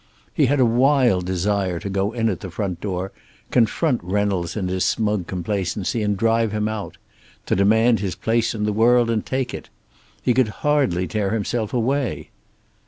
He had a wild desire to go in at the front door, confront Reynolds in his smug complacency and drive him out; to demand his place in the world and take it. He could hardly tear himself away.